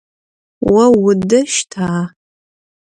О удэщта?